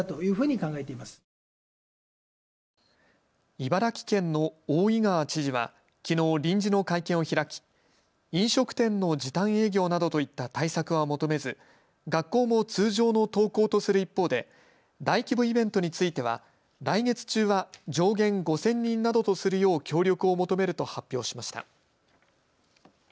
茨城県の大井川知事はきのう、臨時の会見を開き飲食店の時短営業などといった対策は求めず、学校も通常の登校とする一方で大規模イベントについては来月中は上限５０００人などとするよう協力を求めると発表しました。